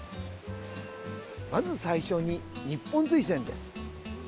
まず最初に日本水仙です。